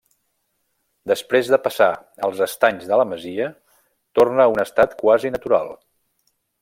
Després de passar els estanys de la masia, torna a un estat quasi natural.